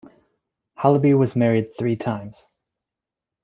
Halaby was married three times.